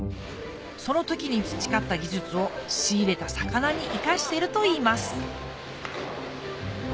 その時に培った技術を仕入れた魚に生かしてるといいます